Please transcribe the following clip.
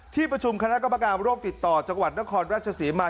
ที่ประชุมคณะกรรมการโรคติดต่อจังหวัดนครราชศรีมา